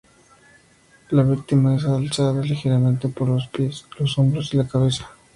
La víctima es alzada ligeramente por los pies, los hombros y la cabeza.